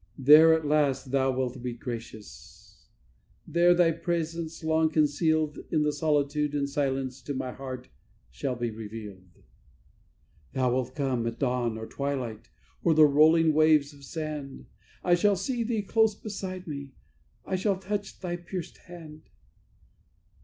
"There at last Thou wilt be gracious; there Thy presence, long concealed, In the solitude and silence to my heart shall be revealed. "Thou wilt come, at dawn or twilight, o'er the rolling waves of sand; I shall see Thee close beside me, I shall touch Thy pierced hand.